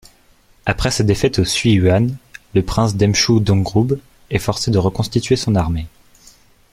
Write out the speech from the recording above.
Après sa défaite au Suiyuan, le prince Demchugdongrub est forcé de reconstituer son armée.